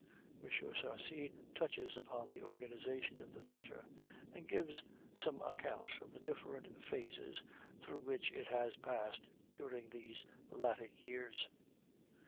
M. Sarcey touches upon the organization of the theater, and gives some account of the different phases through which it has passed during these latter years.